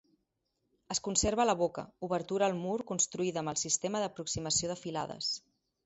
Es conserva la boca, obertura al mur construïda amb el sistema d'aproximació de filades.